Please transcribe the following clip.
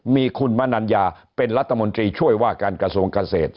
มีคุณมนัญญาเป็นรัฐมนตรีช่วยว่าการกระทรวงเกษตร